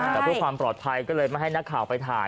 แต่เพื่อความปลอดภัยก็เลยมาให้นักข่าวไปถ่าย